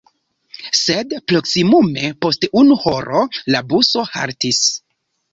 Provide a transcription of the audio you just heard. Sed proksimume post unu horo la buso haltis.